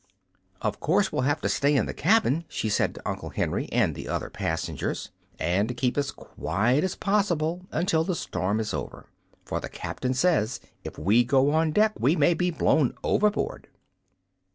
"Of course we'll have to stay in the cabin," she said to Uncle Henry and the other passengers, "and keep as quiet as possible until the storm is over. For the Captain says if we go on deck we may be blown overboard."